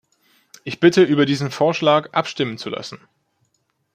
Ich bitte, über diesen Vorschlag abstimmen zu lassen.